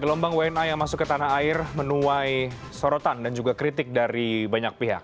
gelombang wna yang masuk ke tanah air menuai sorotan dan juga kritik dari banyak pihak